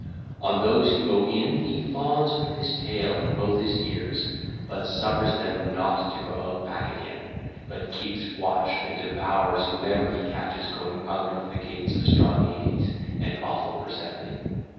On those who go in he fawns with his tail and both his ears, but suffers them not to go out back again, but keeps watch and devours whomsoever he catches going out of the gates of strong Hades and awful Persephone.